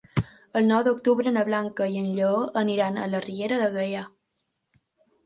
El nou d'octubre na Blanca i en Lleó aniran a la Riera de Gaià.